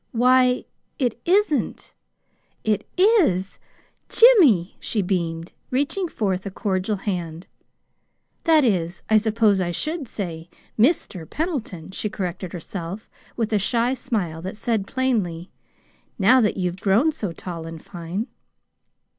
"Why, it isn't it IS Jimmy!" she beamed, reaching forth a cordial hand. "That is, I suppose I should say 'MR. PENDLETON,'" she corrected herself with a shy smile that said plainly: "Now that you've grown so tall and fine!"